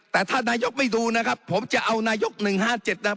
แต่ถ้านายกไม่ดูนะครับผมจะเอานายก๑๕๗นะครับ